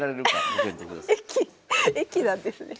駅なんですね。